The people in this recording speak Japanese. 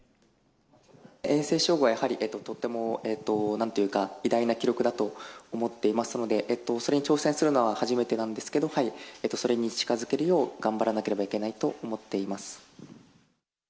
永世称号はやはりとても、なんていうか、偉大な記録だと思っていますので、それに挑戦するのは初めてなんですけど、それに近づけるよう、頑張らなければいけないと思っています。